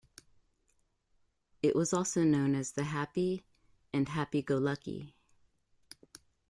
It was also known as The Happy, and Happy Go Lucky.